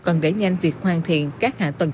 cần để nhanh việc hoàn thiện các hạ tầng